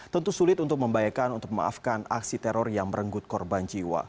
tentu sulit untuk membayakan untuk memaafkan aksi teror yang merenggut korban jiwa